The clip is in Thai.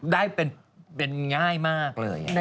ได้เป็นง่ายมากเลย